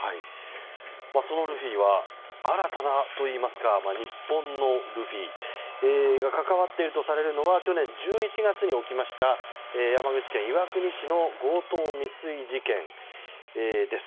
そのルフィは新たなといいますか、日本のルフィが関わっているとされるのが去年１１月に起きた山口県岩国市の強盗未遂事件です。